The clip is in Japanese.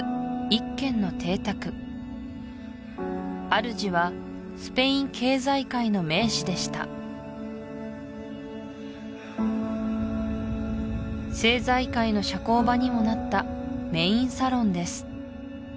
一軒の邸宅主はスペイン経済界の名士でした政財界の社交場にもなったメインサロンです